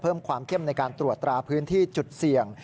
เพิ่มความเข้มในการตรวจตราพื้นที่จุดเสี่ยง